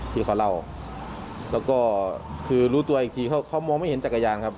ที่เขาเล่าแล้วก็คือรู้ตัวอีกทีเขาเขามองไม่เห็นจักรยานครับ